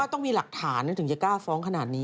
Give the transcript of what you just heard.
ต้องมีหลักฐานถึงจะกล้าฟ้องขนาดนี้